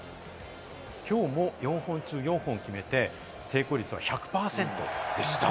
きょうも４本中４本決めて、成功率は１００％でした。